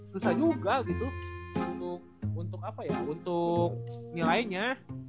susah juga gitu untuk apa ya untuk nilainya